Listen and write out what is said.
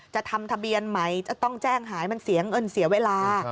จะทำทะเบียนใหม่จะต้องแจ้งหายมันเสียเงินเสียเวลา